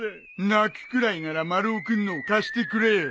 泣くくらいなら丸尾君のを貸してくれよ。